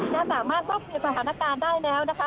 และสามารถทบควีประหลาการได้แล้วนะคะ